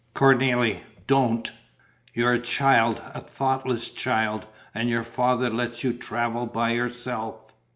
"Cornélie! Don't!" "You're a child, a thoughtless child. And your father lets you travel by yourself